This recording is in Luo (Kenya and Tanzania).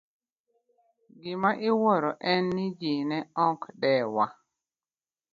Gima iwuoro en ni ji ne ok dewa.